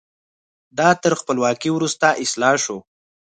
دا تر خپلواکۍ وروسته اصلاح شو.